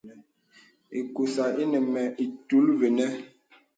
Ìsùksaŋ ìnə mə ìtul və̄nə̄.